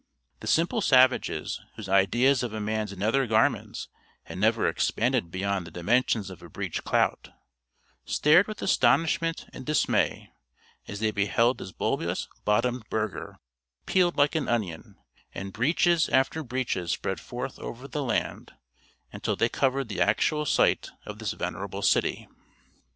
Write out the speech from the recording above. The simple savages, whose ideas of a man's nether garments had never expanded beyond the dimensions of a breech clout, stared with astonishment and dismay as they beheld this bulbous bottomed burgher peeled like an onion, and breeches after breeches spread forth over the land until they covered the actual site of this venerable city.